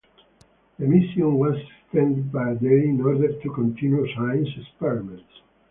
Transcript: The mission was extended by a day in order to continue science experiments.